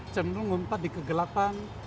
cenderung ngumpat di kegelapan